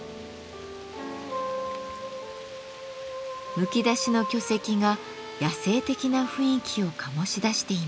むき出しの巨石が野性的な雰囲気を醸し出しています。